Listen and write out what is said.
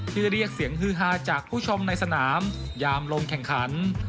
เรียกเสียงฮือฮาจากผู้ชมในสนามยามลงแข่งขัน